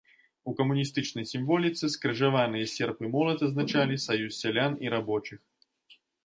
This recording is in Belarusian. У камуністычнай сімволіцы скрыжаваныя серп і молат азначалі саюз сялян і рабочых.